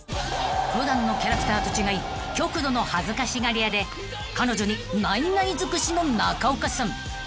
［普段のキャラクターと違い極度の恥ずかしがり屋で彼女に無い無い尽くしの中岡さん］